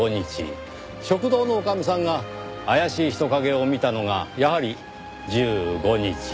食堂の女将さんが怪しい人影を見たのがやはり１５日。